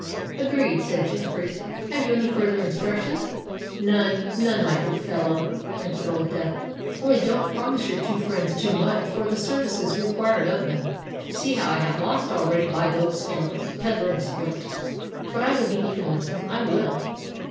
"Agreed," said Jeffreys. "Have you any farther instructions?" "None—none, my good fellow," answered Old Death: "only don't promise your two friends too much for the services required of them. You see how I have lost already by those scoundrels Pedler and Splint: but I will be even with them—I will!"